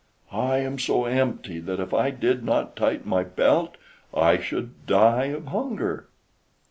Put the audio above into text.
I am so empty that if I did not tighten my belt I should die of hunger."